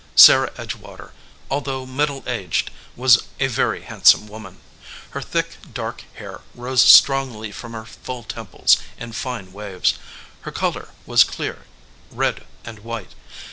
Sarah Edgewater, although middle aged, was a very handsome woman. Her thick dark hair rose strongly from her full temples in fine waves. Her color was clear red and white.